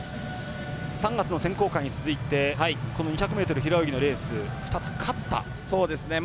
３月の選考会に続いて２００ｍ平泳ぎのレース２つ勝った。